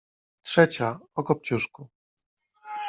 Trzecia — o „Kopciuszku”.